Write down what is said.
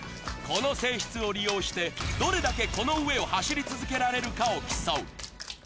この性質を利用して、どれだけこの上を走り続けられるかを競う。